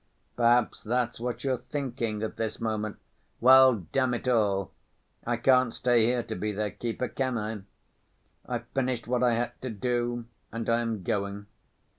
Perhaps that's what you're thinking at this moment? Well, damn it all, I can't stay here to be their keeper, can I? I've finished what I had to do, and I am going.